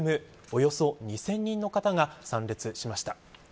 およそ２０００人の方が参列しました。